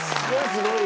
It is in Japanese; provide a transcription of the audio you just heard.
すごい！